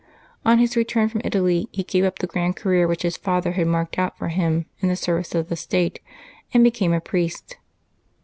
On bis return from Italy he gave up the grand career which his father had marked out for him in the service of the state, and became a priest.